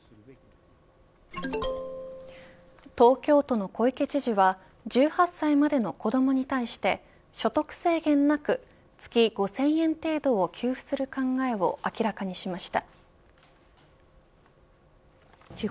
東京都の小池知事は１８歳までの子どもに対して所得制限なく月５０００円程度を給付する考えを明らかにしました。